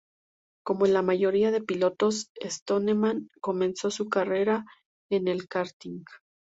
Como la mayoría de pilotos, Stoneman comenzó su carrera en el karting.